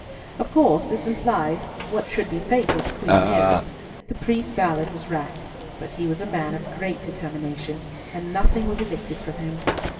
Of course this implied what should be fatal to Queen Mary. The priest Ballard was racked, but he was a man of great determination, and nothing was elicited from him.